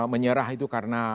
menyerah itu karena